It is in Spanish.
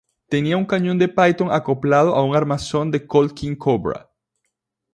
Tenía un cañón de Python acoplado a un armazón de Colt King Cobra.